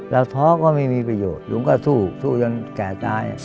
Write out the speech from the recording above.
ท้อก็ไม่มีประโยชน์ลุงก็สู้สู้จนแก่ตาย